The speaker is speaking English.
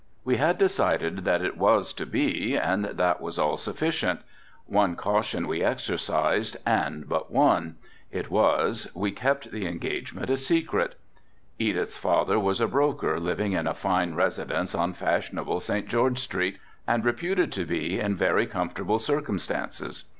We had decided that it was to be and that was all sufficient. One caution we exercised and but one, it was, we kept the engagement a secret. Edith's father was a broker living in a fine residence on fashionable St. George Street, and reputed to be in very comfortable circumstances.